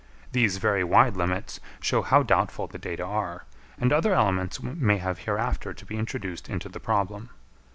These very wide limits show how doubtful the data are; and other elements may have hereafter to be introduced into the problem.